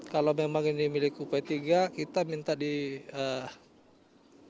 kalau memang ini milik up tiga kita minta